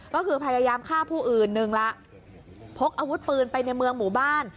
ก็คือพยายามฆ่าผู้อื่นหนึ่งละพกอาวุธปืนไปในเมืองหมู่บ้าน